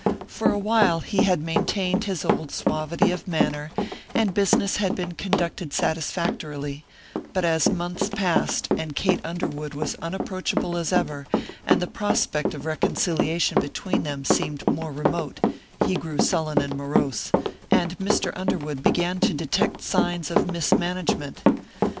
For a while he had maintained his old suavity of manner and business had been conducted satisfactorily, but as months passed and Kate Underwood was unapproachable as ever and the prospect of reconciliation between them seemed more remote, he grew sullen and morose, and Mr. Underwood began to detect signs of mismanagement.